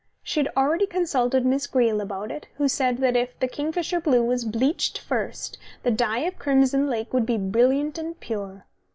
She had already consulted Miss Greele about it, who said that if the kingfisher blue was bleached first the dye of crimson lake would be brilliant and pure.